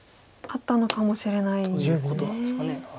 あったのかもしれないですね。